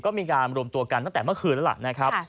ก็มีการรวมตัวกันตั้งแต่เมื่อคืนแล้วล่ะนะครับ